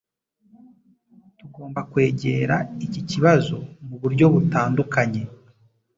Tugomba kwegera iki kibazo muburyo butandukanye.